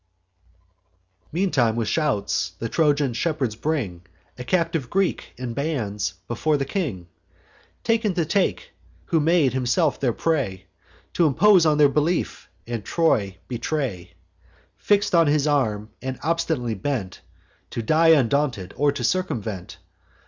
Meantime, with shouts, the Trojan shepherds bring A captive Greek, in bands, before the king; Taken to take; who made himself their prey, T' impose on their belief, and Troy betray; Fix'd on his aim, and obstinately bent To die undaunted, or to circumvent.